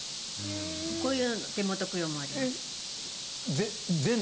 こういう手元供養もあります。